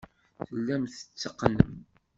Tellam tetteqqnem.